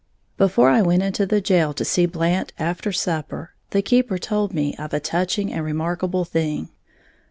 Before I went into the jail to see Blant after dinner, the keeper told me of a touching and remarkable thing.